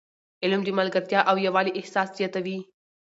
علم د ملګرتیا او یووالي احساس زیاتوي.